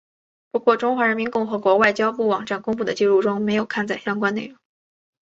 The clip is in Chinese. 不过中华人民共和国外交部网站公布的记录中没有刊载相关内容。